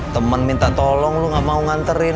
temen minta tolong lu gak mau nganterin